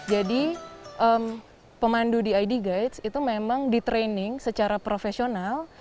jadi pemandu di id guide itu memang di training secara profesional